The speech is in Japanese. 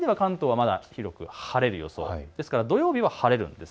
まだ広く晴れる予想です。